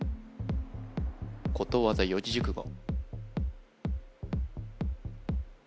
ことわざ・四字熟語